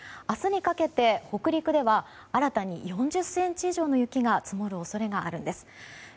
明日にかけて北陸では新たに４０ｃｍ以上の雪が積もる恐れがあるんです。